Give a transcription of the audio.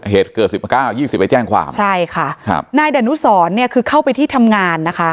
เหตุเกิด๑๙๒๐ไปแจ้งความใช่ค่ะนายดะนุสรเนี่ยคือเข้าไปที่ทำงานนะคะ